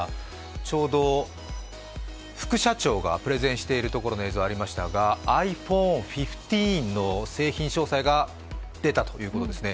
ちょうど副社長がプレゼンしているところの映像がありましたが、ｉＰｈｏｎｅ１５の製品詳細が出たということですね。